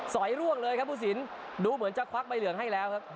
อยร่วงเลยครับผู้สินดูเหมือนจะควักใบเหลืองให้แล้วครับ